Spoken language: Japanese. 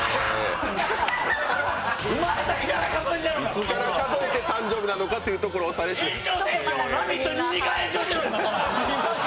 いつから数えて誕生日なのかっていうところいやいや